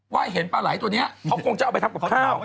เห็นปลาไหล่ตัวนี้เขาคงจะเอาไปทำกับข้าว